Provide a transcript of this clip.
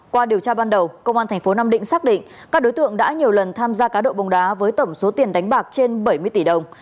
qua điều tra ban đầu công an tp nam định xác định các đối tượng đã nhiều lần tham gia cá độ bóng đá với tổng số tiền đánh bạc trên bảy mươi tỷ đồng